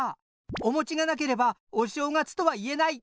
おもちがなければお正月とは言えない。